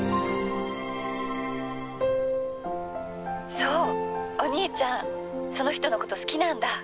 そうお兄ちゃんその人のこと好きなんだ。